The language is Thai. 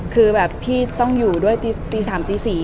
คือแบบพี่ต้องอยู่ด้วยตี๓ตี๔